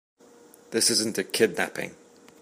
This isn't a kidnapping.